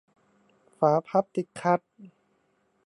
ฝาพับติดขัด